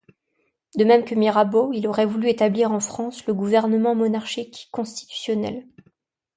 De même que Mirabeau, il aurait voulu établir en France le gouvernement monarchique constitutionnel.